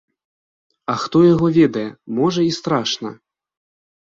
А хто яго ведае, можа, і страшна.